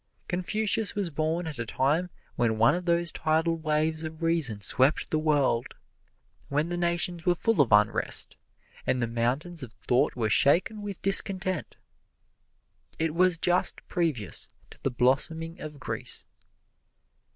Confucius was born at a time when one of those tidal waves of reason swept the world when the nations were full of unrest, and the mountains of thought were shaken with discontent. It was just previous to the blossoming of Greece.